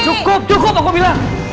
cukup cukup aku bilang